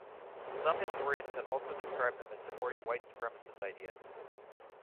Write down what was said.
Some historians have also described them as supporting white supremacist ideas.